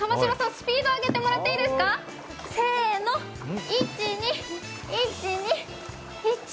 スピード上げてもらっていいですか、せーの、１、２、１、２。